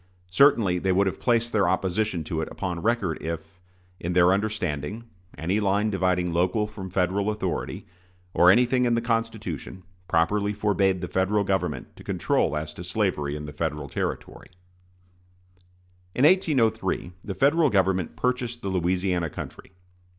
Certainly they would have placed their opposition to it upon record if, in their understanding, any line dividing local from Federal authority, or anything in the Constitution, properly forbade the Federal Government to control as to slavery in Federal territory. In 1803 the Federal Government purchased the Louisiana country.